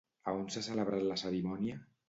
A on s'ha celebrat la cerimònia?